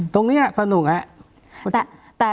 ตรงนี้สนุกอ่ะ